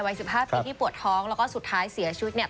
๑๕ปีที่ปวดท้องแล้วก็สุดท้ายเสียชีวิตเนี่ย